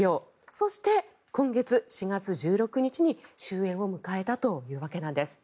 そして、今月４月１６日に終演を迎えたというわけなんです。